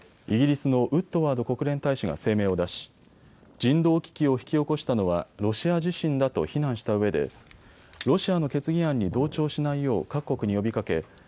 イギリスのウッドワード国連大使が声明を出し人道危機を引き起こしたのはロシア自身だと非難したうえでロシアの決議案に同調しないよう各国に呼びかけ